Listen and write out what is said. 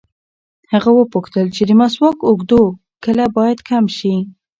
هغه وپوښتل چې د مسواک اوږدو کله باید کم شي.